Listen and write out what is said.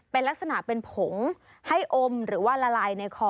เป็นลักษณะเป็นผงให้อมหรือว่าละลายในคอ